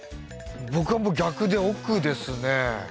僕は逆で奥ですね。